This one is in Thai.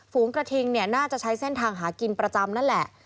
ฝูงกระทิงเนี่ยน่าจะใช้เส้นทางหากินประจำนั่นแหละ